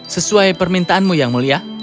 sesuai permintaanmu yang mulia